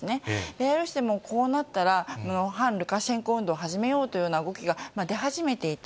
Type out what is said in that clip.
ベラルーシでもこうなったら、反ルカシェンコ運動を始めようというような動きが出始めていた。